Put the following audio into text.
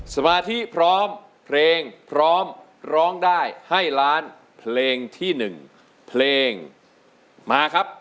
สมาธิพร้อมเพลงพร้อมร้องได้ให้ล้านเพลงที่๑เพลงมาครับ